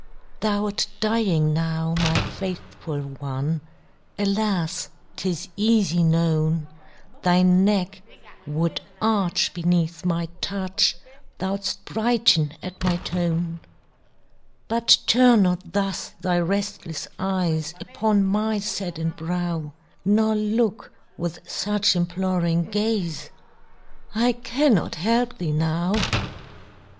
Thou'rt dying now, my faithful one, Alas! 'tis easy known Thy neck would arch beneath my touch, Thou'dst brighten at my tone; But turn not thus thy restless eyes Upon my saddened brow, Nor look with such imploring gaze I cannot help thee now.